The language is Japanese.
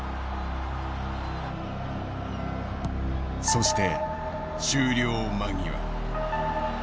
そして終了間際。